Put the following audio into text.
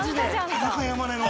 田中山根の。